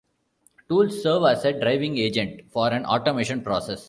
Tools serve as a driving agent for an automation process.